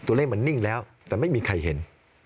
ตัวเลขมันนิ่งแล้วแต่ไม่มีใครเห็น